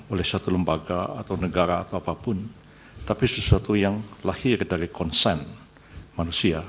oleh satu lembaga atau negara atau apapun tapi sesuatu yang lahir dari konsen manusia